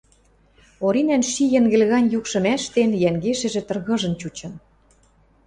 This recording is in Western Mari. Оринӓн ши йӹнгӹл гань юкшым ӓштен, йӓнгешӹжӹ тыргыжын чучын.